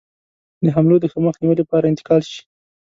د حملو د ښه مخنیوي لپاره انتقال شي.